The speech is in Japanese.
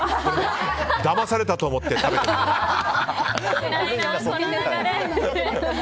だまされたと思って食べてみて。